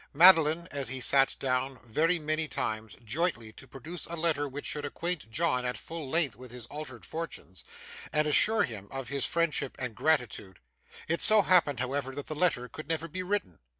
Madeline and he sat down, very many times, jointly to produce a letter which should acquaint John at full length with his altered fortunes, and assure him of his friendship and gratitude. It so happened, however, that the letter could never be written.